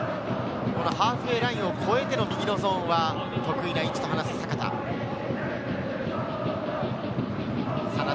ハーフウエーラインを超えての右のゾーンは、得意な位置と話す阪田。